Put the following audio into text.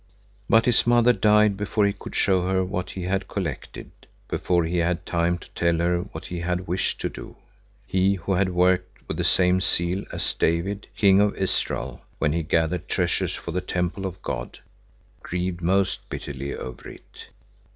But his mother died before he could show her what he had collected; before he had time to tell her what he had wished to do. He, who had worked with the same zeal as David, King of Israel, when he gathered treasures for the temple of God, grieved most bitterly over it.